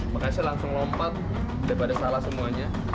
makasih langsung lompat tidak ada salah semuanya